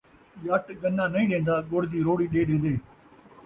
ڄٹ ڳنا نئیں ݙین٘دا ، ڳڑ دی روڑی ݙے ݙین٘دے